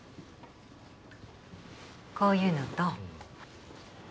こういうのと。